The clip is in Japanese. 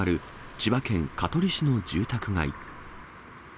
千葉県香取市の住宅街。